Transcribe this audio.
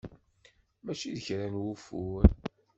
Mačči d kra n wufur.